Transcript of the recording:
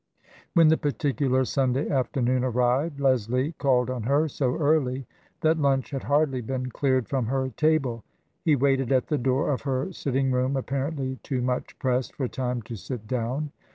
When the particular Sunday afternoon arrived, Leslie called on her so early that lunch had hardly been cleared from her table. He waited at the door of her sitting room apparently too much pressed for time to sit down.